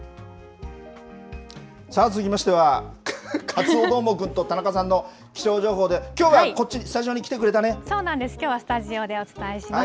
さあ、続きましてはカツオどーもくんと田中さんの気象情報できょうはこっちスタジオにきょうはスタジオでお伝えします。